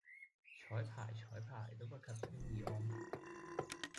綵排綵排都不及天意安排